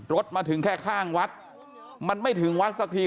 รถมาถึงแค่ข้างวัดมันไม่ถึงวัดสักที